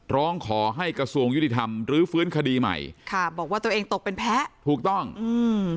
ร้องขอให้กระทรวงยุติธรรมรื้อฟื้นคดีใหม่ค่ะบอกว่าตัวเองตกเป็นแพ้ถูกต้องอืม